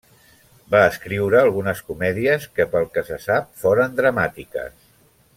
Va escriure algunes comèdies que pel que se sap foren dramàtiques.